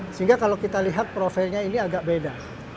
sehingga kalau kita lihat profilnya ini agak beda